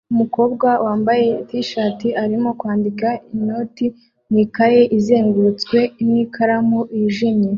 Umukobwa wambaye t-shirt arimo kwandika inoti mu ikaye izengurutswe n'ikaramu yijimye